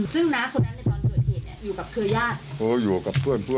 ซึ่งน้าคนนั้นก่อนเกิดเหตุเนี่ยอยู่กับเครื่องญาติ